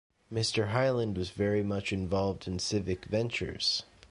Mr. Hyland was very much involved in civic ventures.